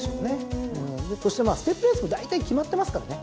そしてステップレースもだいたい決まってますからね。